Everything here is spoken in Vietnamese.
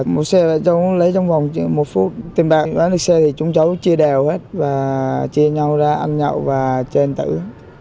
một xe lấy trong vòng một phút tìm bán lấy xe thì chúng cháu chia đều hết và chia nhau ra ăn nhậu và chơi hình tử